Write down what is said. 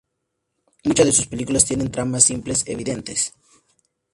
Muchas de sus películas tienen tramas simples, evidentes.